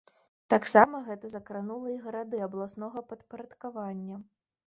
Таксама гэта закранула і гарады абласнога падпарадкавання.